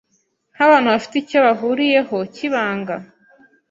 nk’abantu bafite icyo bahuriyeho cy’ibanga